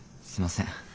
すみません。